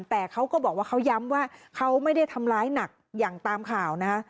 แต่เขาก็บอกว่าเขาย้ำว่าเขาไม่ได้ทำร้ายหนักอย่างตามข่าวนะคะ